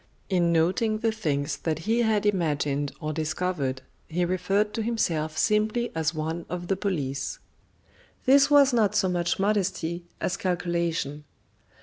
In noting the things that he had imagined or discovered, he referred to himself simply as one of the police. This was not so much modesty as calculation.